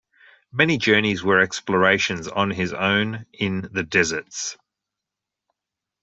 Many journeys were explorations on his own in the deserts.